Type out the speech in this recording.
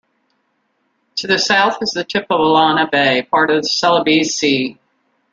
To the south is the tip of Illana Bay, part of the Celebes Sea.